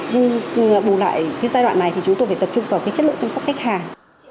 nhưng bù lại cái giai đoạn này thì chúng tôi phải tập trung vào cái chất lượng chăm sóc khách hàng